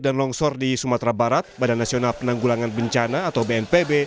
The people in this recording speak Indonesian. dan longsor di sumatera barat badan nasional penanggulangan bencana atau bnpb